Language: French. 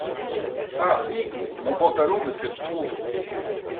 Ah ! bigre !… mon pantalon me serre trop.